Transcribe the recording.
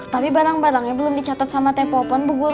tapi barang barangnya belum dicatat sama tepo pond bu guru